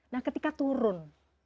nah ketika turun